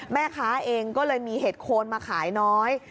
แม่ค้าเองก็เลยมีเห็ดโคนมาขายน้อย